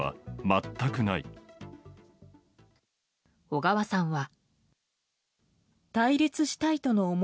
小川さんは。